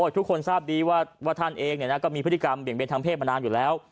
ทุกคนทราบดีว่าท่านเองก็มีพฤติกรรมเบี่ยงเบนทางเพศมานานอยู่แล้ว